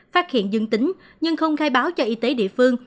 phát hiện dương tính nhưng không khai báo cho y tế địa phương